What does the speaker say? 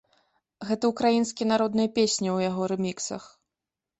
Гэта ўкраінскія народныя песні ў яго рэміксах.